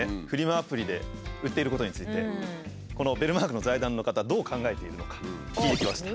アプリで売っていることについてこのベルマークの財団の方どう考えているのか聞いてきました。